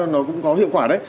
nó cũng có hiệu quả đấy